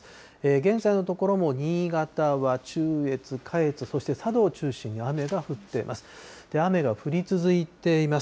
現在のところ新潟は中越、下越、そして佐渡を中心に雨が降っています。